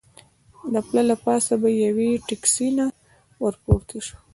د پله له پاسه به یوې ټکسي ته ور پورته شو.